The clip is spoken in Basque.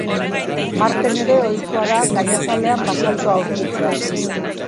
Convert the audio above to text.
Marten ere ohikoa da gainazalean basaltoa aurkitzea.